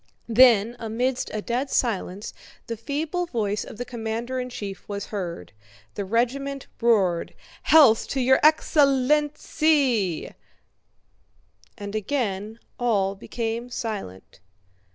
Then amidst a dead silence the feeble voice of the commander in chief was heard. The regiment roared, "Health to your ex... len... len... lency!" and again all became silent.